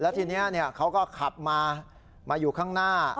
ทีนี้เขาก็ขับมามาอยู่ข้างหน้า